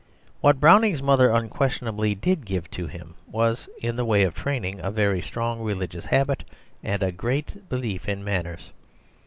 What Browning's mother unquestionably did give to him, was in the way of training a very strong religious habit, and a great belief in manners.